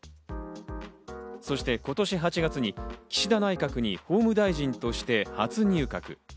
そして今年８月に岸田内閣に法務大臣として初入閣。